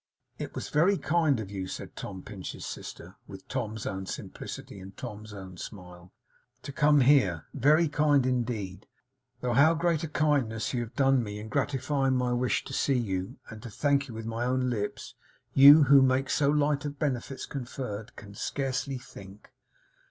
'It was very kind of you,' said Tom Pinch's sister, with Tom's own simplicity and Tom's own smile, 'to come here; very kind indeed; though how great a kindness you have done me in gratifying my wish to see you, and to thank you with my own lips, you, who make so light of benefits conferred, can scarcely think.